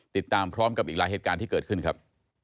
ติดตามพร้อมกับอีกหลายเหตุการณ์ที่เกิดขึ้นครับ